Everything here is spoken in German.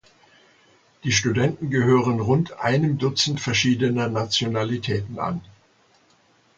Die Studenten gehören rund einem Dutzend verschiedener Nationalitäten an.